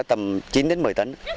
đó là tầm chín đến một mươi tấn